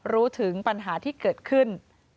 รู้ถึงปัญหาที่เกิดขึ้น